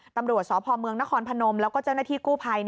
ตำรวจสพเมืองนครพนมแล้วก็เจ้าหน้าที่กู้ภัย